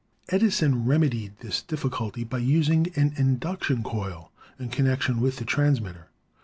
Edison remedied this difficulty by using an induction coil in connection with the transmitter.